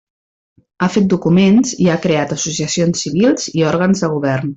Ha fet documents i ha creat associacions civils i òrgans de govern.